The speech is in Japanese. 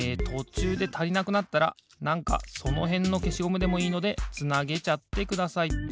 とちゅうでたりなくなったらなんかそのへんのけしゴムでもいいのでつなげちゃってください。